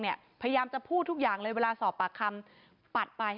พยายามจะพูดทุกอย่างเลยเวลาสอบปากคำปัดไป